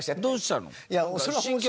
どうしたの？